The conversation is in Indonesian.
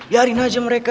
yarin aja mereka